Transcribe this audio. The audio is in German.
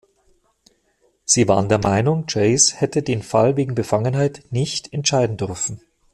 Sie waren der Meinung, Chase hätte den Fall wegen Befangenheit nicht entscheiden dürfen.